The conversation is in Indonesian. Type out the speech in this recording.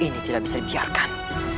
ini tidak bisa dibiarkan